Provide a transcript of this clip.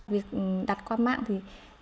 việc đặt qua mạng thì